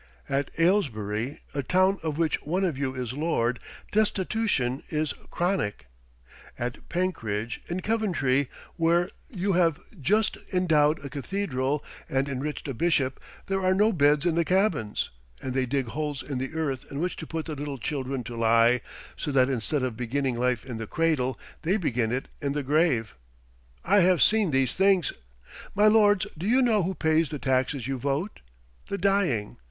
At Ailesbury, a town of which one of you is lord, destitution is chronic. At Penkridge, in Coventry, where you have just endowed a cathedral and enriched a bishop, there are no beds in the cabins, and they dig holes in the earth in which to put the little children to lie, so that instead of beginning life in the cradle, they begin it in the grave. I have seen these things! My lords, do you know who pays the taxes you vote? The dying!